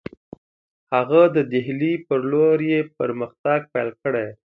هغه د ډهلي پر لور یې پرمختګ پیل کړی.